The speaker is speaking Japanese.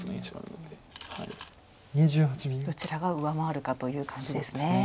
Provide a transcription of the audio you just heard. どちらが上回るかという感じですね。